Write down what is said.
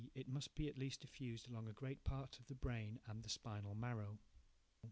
it must be at least diffused along a great part of the brain and spinal marrow.